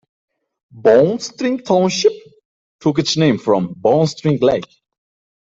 Bowstring Township took its name from Bowstring Lake.